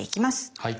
はい。